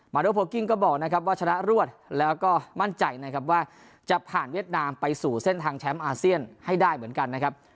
โดโพลกิ้งก็บอกนะครับว่าชนะรวดแล้วก็มั่นใจนะครับว่าจะผ่านเวียดนามไปสู่เส้นทางแชมป์อาเซียนให้ได้เหมือนกันนะครับ